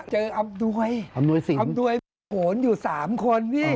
เจออำนวยศิลป์อำนวยศิลป์โผนอยู่๓คน